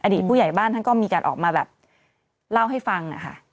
อดีตผู้ใหญ่บ้านก็มีการออกมาเล่าให้ฟัง